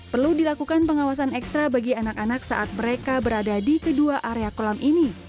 perlu dilakukan pengawasan ekstra bagi anak anak saat mereka berada di kedua area kolam ini